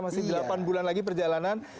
masih delapan bulan lagi perjalanan